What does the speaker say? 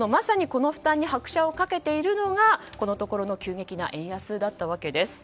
この負担に拍車をかけているのがこのところの急激な円安だったわけです。